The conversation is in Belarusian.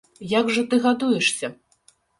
Як жа ты гадуешся?